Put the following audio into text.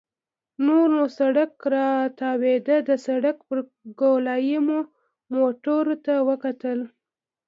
نور نو سړک راتاوېده، د سړک پر ګولایې مو موټرو ته وکتل.